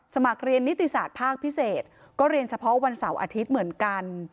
สมัครเรียนนิติศาสตร์ภาคพิเศษก็เรียนเฉพาะวันเสาร์อาทิตย์เหมือนกัน